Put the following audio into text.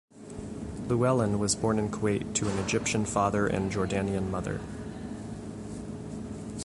Llewellyn was born in Kuwait to an Egyptian father and Jordanian mother.